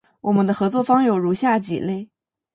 我们的合作方有如下几类：